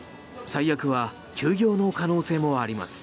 最悪は休業の可能性もあります。